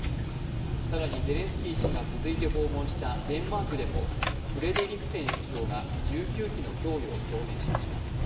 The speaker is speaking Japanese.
更にゼレンスキー氏が続いて訪問したデンマークでもフレデリクセン首相が１９機の供与を表明しました。